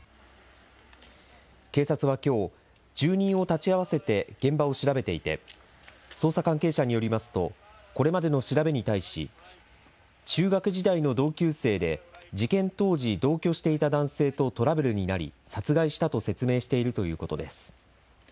警察はきょう住人を立ち会わせて現場を調べていて捜査関係者によりますとこれまでの調べに対し中学時代の同級生で事件当時、同居していた男性とトラブルになり殺害したと説明しているということです。